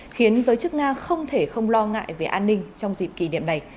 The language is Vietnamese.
khiến giới chức nga không thể không lo ngại về an ninh trong dịp kỷ niệm này